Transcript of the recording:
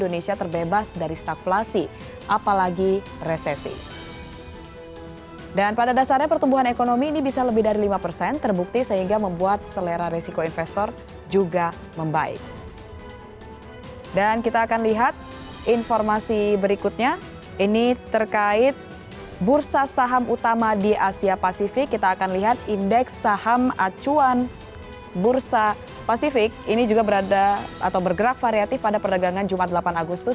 di asia pasifik kita akan lihat indeks saham acuan bursa pasifik ini juga bergerak variatif pada perdagangan jumat delapan agustus